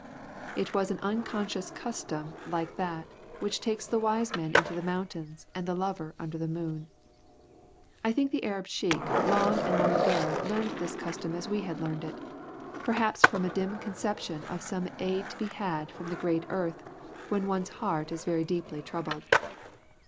It was an unconscious custom like that which takes the wise man into the mountains and the lover under the moon. I think the Arab Sheik long and long ago learned this custom as we had learned it, perhaps from a dim conception of some aid to be had from the great earth when one's heart is very deeply troubled.